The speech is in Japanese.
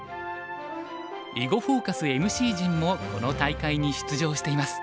「囲碁フォーカス」ＭＣ陣もこの大会に出場しています。